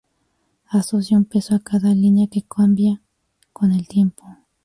Asocia un peso a cada línea que cambia con el tiempo.